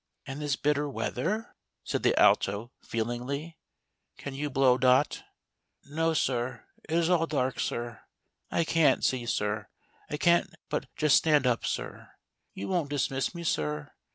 "And this bitter weather!" said the Alto, feelingly. " Can you blow. Dot ?"" No, sir ; it is all dark, sir. I can't see, sir. I can't but just stand up, sir. You won't dismiss me, sir?